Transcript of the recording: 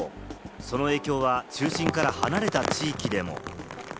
その影響は中心から離れた地域でも。